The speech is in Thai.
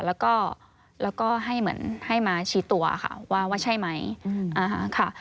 แล้วก็ให้เหมือนให้มาชี้ตัวค่ะว่าใช่ไหมค่ะ